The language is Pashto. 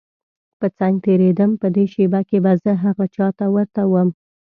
په څنګ تېرېدم په دې شېبه کې به زه هغه چا ته ورته وم.